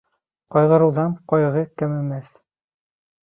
Ҡайғырыуҙан ҡайғы кәмемәҫ